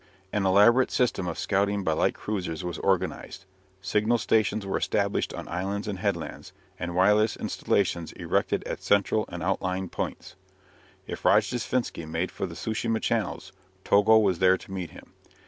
An elaborate system of scouting by light cruisers was organized; signal stations were established on islands and headlands, and wireless installations erected at central and outlying points. If Rojdestvensky made for the Tsu shima channels, Togo was there to meet him.